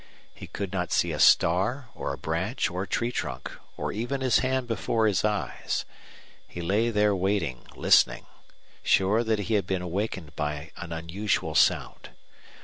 He could not see a star or a branch or tree trunk or even his hand before his eyes. He lay there waiting, listening, sure that he had been awakened by an unusual sound.